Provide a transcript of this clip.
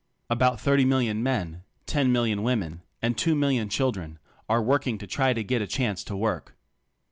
About thirty million men, ten million women and two million chil dren are working or trying to get a chance to work.